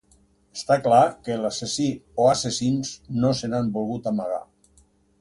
Està clar que l'assassí o assassins no se n'han volgut amagar.